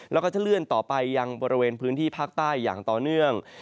แล้วก็จะเลื่อนต่อไปยังบริเวณพื้นที่ภาคใต้อย่างต่อเนื่อง